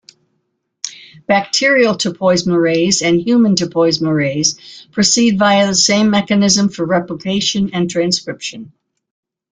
Bacterial topoisomerase and human topoisomerase proceed via the same mechanism for replication and transcription.